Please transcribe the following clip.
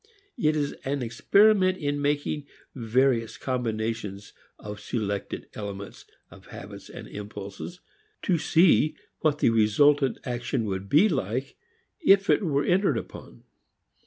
It is an experiment in making various combinations of selected elements of habits and impulses, to see what the resultant action would be like if it were entered upon.